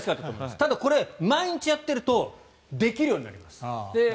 ただ、これ毎日やっているとできるようになります。